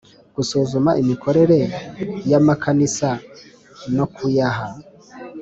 Gusuzuma imikorere y amakanisa no kuyaha